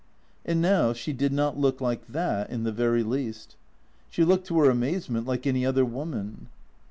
And now she did not look like that in the very least. She looked, to her amazement, like any other woman.